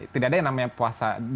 tidak ada yang namanya puasa